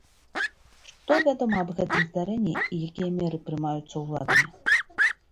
Што вядома аб гэтым здарэнні, і якія меры прымаюцца ўладамі?